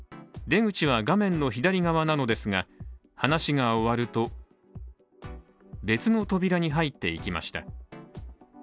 出口は画面の左側なのですが話が終わると別の扉に入っていきました。